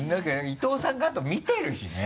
伊藤さんがあと見てるしね。